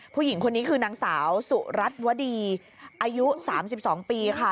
ผู้หญิงคนนี้คือนางสาวสุรัตน์วดีอายุ๓๒ปีค่ะ